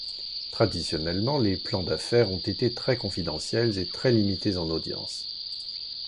Traditionnellement, les plans d'affaires ont été très confidentiels et très limités en audience.